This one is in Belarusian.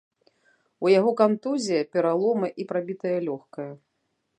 У яго кантузія, пераломы і прабітае лёгкае.